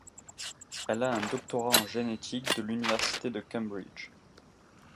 Elle a un doctorat en génétique de l'Université de Cambridge.